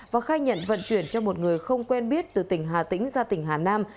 và khai nhận vận chuyển cho một người không quen biết từ tỉnh hà tĩnh ra tỉnh hà nam